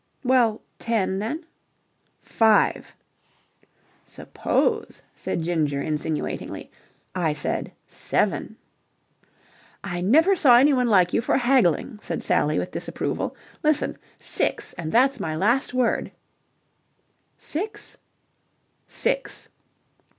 "Well, ten, then?" "Five!" "Suppose," said Ginger insinuatingly, "I said seven?" "I never saw anyone like you for haggling," said Sally with disapproval. "Listen! Six. And that's my last word." "Six?" "Six."